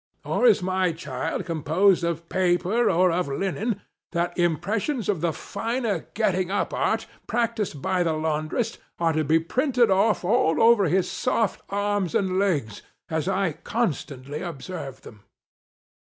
Or is my child composed of Paper or of Linen, that impressions of the finer getting up art, practised by the laundress, are to be printed oft) all over his soft arms and legs, as I con stantly observe them